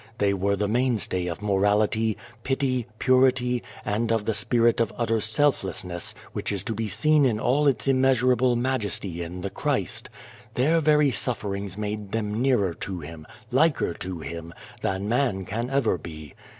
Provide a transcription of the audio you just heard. They were the mainstay of morality, pity, purity, and of the spirit of utter selflessness, which is to be seen in all its immeasurable majesty in the Christ. Their very sufferings made them nearer to Him, liker to Him, than man can ever be.